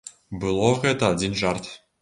Было гэта адзін жарт.